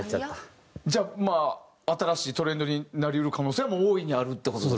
じゃあまあ新しいトレンドになり得る可能性も大いにあるって事ですか。